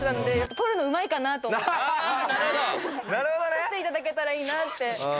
撮っていただけたらいいなって。